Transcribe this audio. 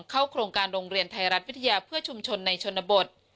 เข้าโครงการโรงเรียนไทยรัฐวิทยาเพื่อชุมชนในชนบท